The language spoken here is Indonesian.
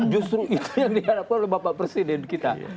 justru itu yang dihadapkan oleh bapak presiden kita